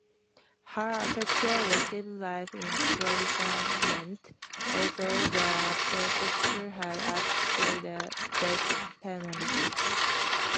Her attacker received life imprisonment, although the prosecutor had asked for the death penalty.